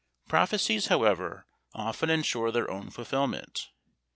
Prophecies, however, often insure their own fulfilment.